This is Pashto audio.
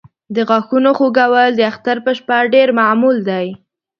د غاښونو خوږول د اختر په شپه ډېر معمول دی.